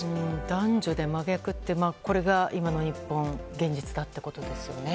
男女で真逆ってこれが今の日本の現実だということですね。